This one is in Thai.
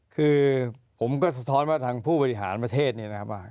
คือผมก็สะท้อนว่าทางผู้บริหารประเทศเนี่ยนะครับ